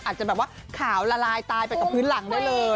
อาจจะแบบว่าขาวละลายตายไปกับพื้นหลังได้เลย